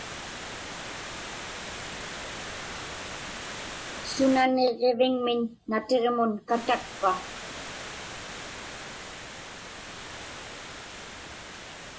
Suna niġġiviŋmiñ natiġmun katakpa?